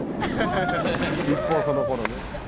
一方そのころね。